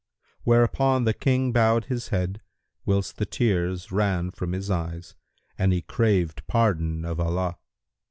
Whereupon the King bowed his head, whilst the tears ran from his eyes, and he craved pardon of Allah.